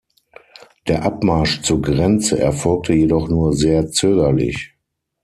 Der Abmarsch zur Grenze erfolgte jedoch nur sehr zögerlich.